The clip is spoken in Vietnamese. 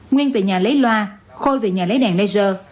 nguyên về nhà lấy loa khôi về nhà lấy đèn laser